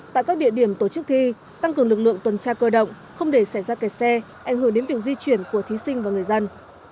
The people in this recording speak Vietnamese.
tại các địa điểm tổ chức thi tăng cường lực lượng tuần tra cơ động không để xảy ra kẻ xe ảnh hưởng đến việc di chuyển của thí sinh và người dân